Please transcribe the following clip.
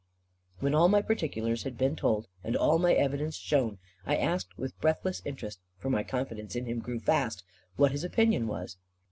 When all my particulars had been told, and all my evidence shown, I asked with breathless interest for my confidence in him grew fast what his opinion was.